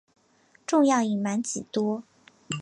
仲要隐瞒几多？